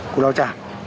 cửa đại trả